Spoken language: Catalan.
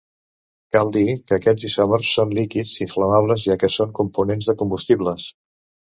Cal dir que aquests isòmers són líquids inflamables, ja que són components de combustibles.